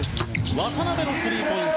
渡邊のスリーポイント！